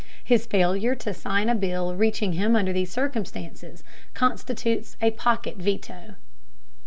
His failure to sign a bill reaching him under these circumstances constitutes a "pocket veto."